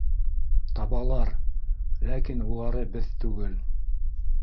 — Табалар, ләкин улары беҙ түгел